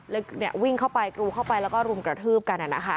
วิ่งเข้าไปกรูเข้าไปแล้วก็รุมกระทืบกัน